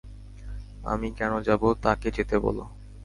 আমি কেন যাবো তাকে যেতে বলো।